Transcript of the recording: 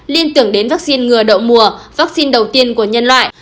liên tưởng đến vaccine ngừa đậu mùa vaccine đầu tiên của nhân loại